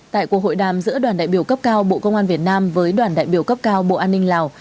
tại cuộc hội đàm giữa đoàn đại biểu cấp cao bộ công an việt nam với đoàn đại biểu cấp cao bộ an ninh lào